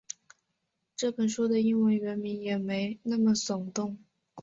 这本书的英文原名也没那么耸动